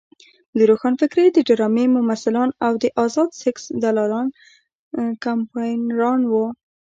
د روښانفکرۍ د ډرامې ممثلان او د ازاد سیکس دلالان کمپاینران وو.